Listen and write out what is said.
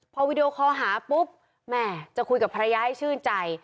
พอวีดีโอคอลหาปุ๊บแม่จะคุยกับภรรยาให้ชื่นใจ